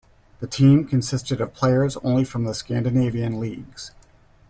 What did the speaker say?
The team consisted of players only from the Scandinavian leagues.